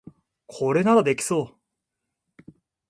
これならできそう